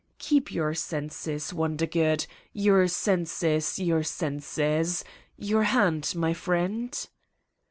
Keep your senses, Wondergood! Your senses, your senses! Your hand, my friend?"